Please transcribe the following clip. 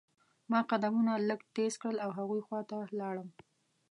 ما قدمونه لږ تیز کړل او هغوی خوا ته لاړم.